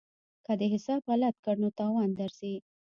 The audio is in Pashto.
که دې حساب غلط کړ نو تاوان درځي.